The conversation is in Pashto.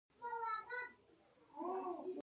ایا بادام مو پړسیږي؟